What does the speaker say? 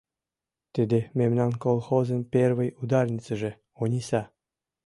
Тиде — мемнан колхозын первый ударницыже, Ониса.